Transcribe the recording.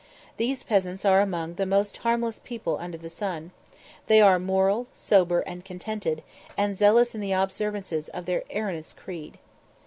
These peasants are among the most harmless people under the sun; they are moral, sober, and contented, and zealous in the observances of their erroneous creed.